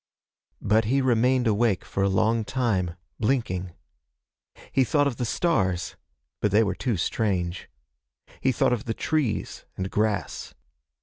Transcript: But he remained awake for a long time, blinking. He thought of the stars, but they were too strange. He thought of the trees and grass.